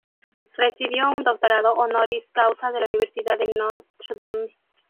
Recibió un Doctorado Honoris Causa de la Universidad de Notre Dame.